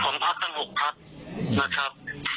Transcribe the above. ของภาพทั้ง๖ภาพนะครับ